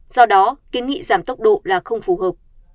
do đó kiến nghị giảm tốc độ là không phù hợp